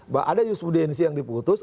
bahwa ada jusbudensi yang diputus